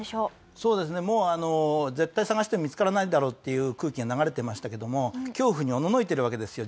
そうですねもう絶対捜しても見付からないだろうっていう空気が流れてましたけども恐怖におののいているわけですよ